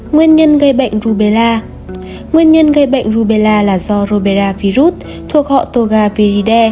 nguyên nhân gây bệnh rubella là do rubella virus thuộc họ toga viridae